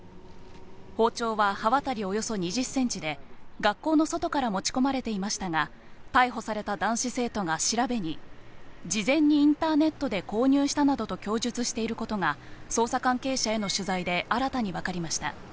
包丁は刃渡りおよそ２０ｃｍで学校の外から持ち込まれていましたが、逮捕された男子生徒が調べに、事前にインターネットで購入したなどと供述していることが捜査関係者への取材で新たに分かりました。